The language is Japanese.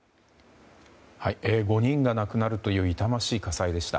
５人が亡くなるという痛ましい火災でした。